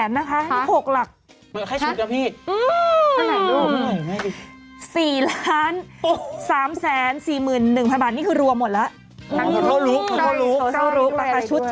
หน้ากากสวยแล้วก็ยากมาก